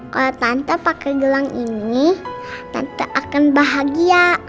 kalau tante pakai gelang ini nanti akan bahagia